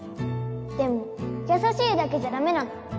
でもやさしいだけじゃダメなの！